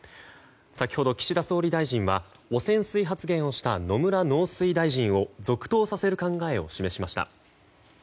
先ほど岸田総理大臣は汚染水発言をした野村農水大臣を続投させる考えを示しました。